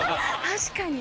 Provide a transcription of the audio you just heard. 確かに。